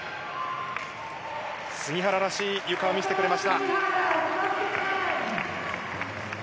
杉原らしいゆかを見せてくれました。